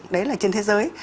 đấy là trên thế giới